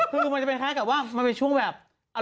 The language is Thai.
คือมันจะเป็นคล้ายกับว่ามันเป็นช่วงแบบ